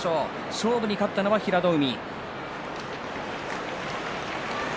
勝負に勝ったのは平戸海。